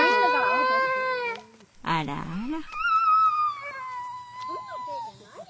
あらあら。